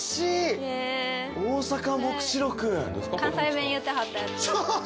関西弁言ってはったやつそう